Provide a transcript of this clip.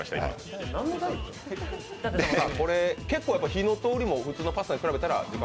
火のとおりも普通のパスタに比べたら長い？